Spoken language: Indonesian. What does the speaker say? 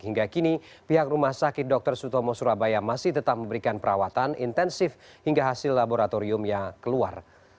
hingga kini pihak rumah sakit dr sutomo surabaya masih tetap memberikan perawatan intensif hingga hasil laboratorium yang keluar